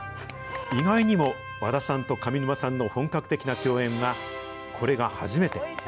意外にも和田さんと上沼さんの本格的な共演はこれが初めて。